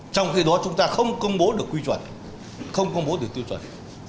trong khi đó chúng ta không công bố được quy chuẩn không công bố được tiêu chuẩn